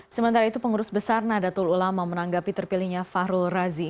sementara itu pengurus besar nadatul ulama menanggapi terpilihnya fahrul razi